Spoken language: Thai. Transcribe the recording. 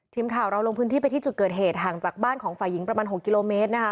ทีมข่าวเราลงพื้นที่ไปที่จุดเกิดเหตุห่างจากบ้านของฝ่ายหญิงประมาณ๖กิโลเมตรนะคะ